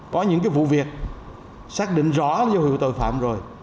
có những cái vụ việc xác định rõ dấu hiệu tội phạm rồi